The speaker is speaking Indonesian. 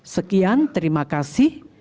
sekian terima kasih